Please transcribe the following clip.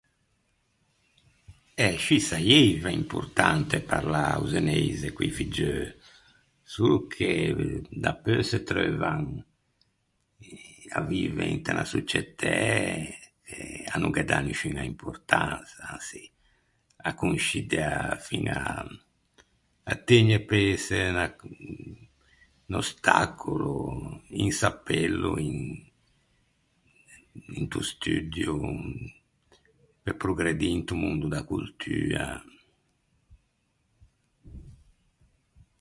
Eh scì saieiva importante parlâ o zeneise co-i figgeu, solo che dapeu se treuvan à vive inte unna soçietæ che a no ghe dà nisciuña importansa, ançi, a â conscidea fiña, a â tëgne pe ëse, unna, un ostacolo, un sappello in- into studdio pe progredî into mondo da coltua.